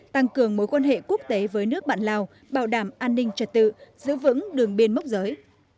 tăng cường mối quan hệ quốc tế với nước bạn lào bảo đảm an ninh trật tự giữ vững đường biên mốc giới